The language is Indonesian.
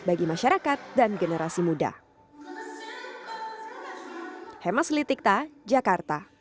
bagi masyarakat dan generasi muda